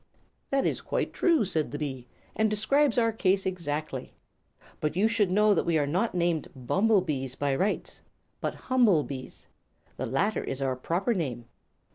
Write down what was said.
"'" "That is quite true," said the bee, "and describes our case exactly. But you should know that we are not named 'bumblebees' by rights, but 'Humble Bees.' The latter is our proper name."